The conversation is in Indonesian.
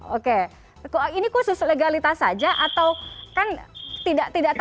oke ini khusus legalitas saja atau kan tidak tahu kan soal